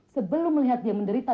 sebelum melihat dia menderita